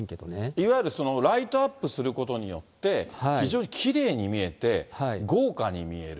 いわゆるライトアップすることによって、非常にきれいに見えて、豪華に見える。